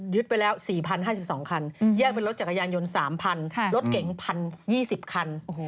ไปแล้ว๔๐๕๒คันแยกเป็นรถจักรยานยนต์๓๐๐รถเก๋ง๑๐๒๐คัน